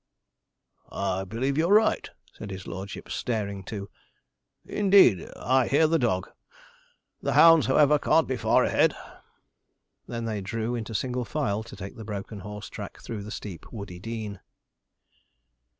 'I believe you're right,' said his lordship, staring too; 'indeed, I hear the dog. The hounds, however, can't be far ahead.' They then drew into single file to take the broken horse track through the steep woody dean.